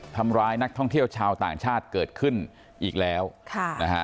ทำร้ายนักท่องเที่ยวชาวต่างชาติเกิดขึ้นอีกแล้วค่ะนะฮะ